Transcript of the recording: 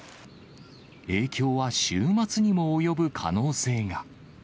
影響は週末にも及ぶ可能性が。